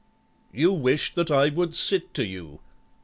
"You wish that I would sit to you?"